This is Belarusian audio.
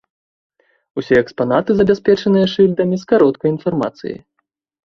Усе экспанаты забяспечаныя шыльдамі з кароткай інфармацыяй.